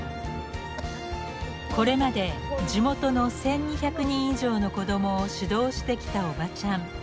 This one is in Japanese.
これまで地元の１，２００人以上の子供を指導してきたおばちゃん。